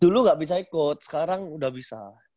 dulu nggak bisa ikut sekarang udah bisa